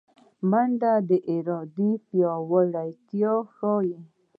منډه د ارادې پیاوړتیا ښيي